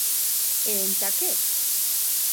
E entà qué?